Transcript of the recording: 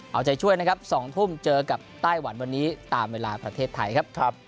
เอาใจช่วยนะครับ๒ทุ่มเจอกับไต้หวันวันนี้ตามเวลาประเทศไทยครับ